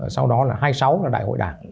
sau đó là hai mươi sáu là đại hội đảng